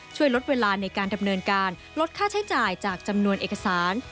ช่วยลดเวลาในการดำเนินการลดค่าใช้จ่ายจากจำนวนเอกสาร